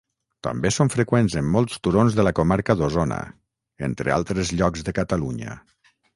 També són freqüents en molts turons de la comarca d'Osona, entre altres llocs de Catalunya.